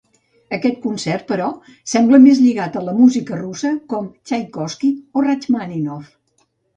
Aquest concert, però, sembla més lligat a la música russa, com Txaikovski o Rakhmàninov.